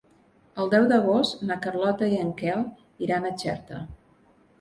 El deu d'agost na Carlota i en Quel iran a Xerta.